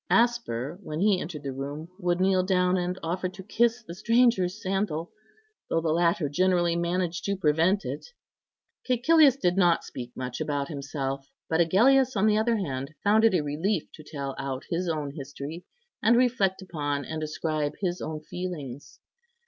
Asper, when he entered the room, would kneel down and offer to kiss the stranger's sandal, though the latter generally managed to prevent it. Cæcilius did not speak much about himself; but Agellius, on the other hand, found it a relief to tell out his own history, and reflect upon and describe his own feelings.